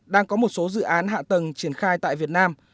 đang có một số dự án hạ tầng triển khai tại việt nam